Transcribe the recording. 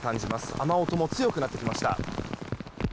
雨音も強くなってきました。